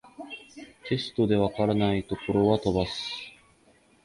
テストで解らないところは飛ばす